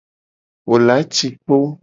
Wo la ci kpo.